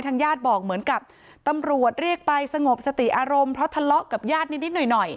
ญาติบอกเหมือนกับตำรวจเรียกไปสงบสติอารมณ์เพราะทะเลาะกับญาตินิดหน่อยหน่อย